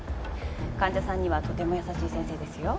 患者さんにはとても優しい先生ですよ。